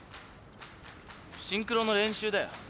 シンクロの練習だよ。